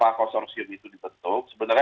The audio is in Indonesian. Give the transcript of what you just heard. nah ide kenapa konsorsium itu dibentuk sebenarnya